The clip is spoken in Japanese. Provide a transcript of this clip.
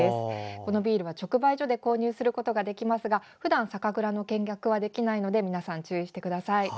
このビールは直売所で購入することができますがふだん酒蔵の見学はできないので皆さん注意してください。